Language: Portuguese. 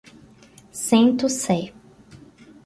Sento Sé